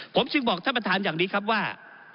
ผมจึงบอกท่านประธานอย่างนี้ครับว่า